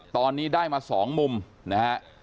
ตอนนี้ได้มาสองมุมนะครับ